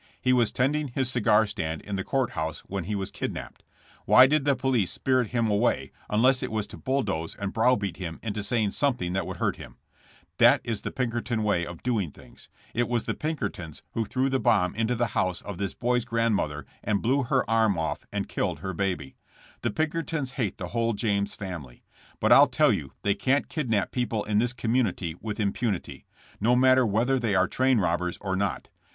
He was tending his cigar stand in the court house when he was kidnapped. Why did the police spirit him away unless it was to bulldoze and brow beat him into saying something that would hurt him ? That is the Pinkerton way of doing things: It was the Pinkertons who threw the bomb into the house of this boy's grandmother and blew her arm off and killed her baby. The Pinkertons hate the whole James family. But I'll tell you they can't kidnap people in this community with impunity, no matter w^hether they are train robbers or not.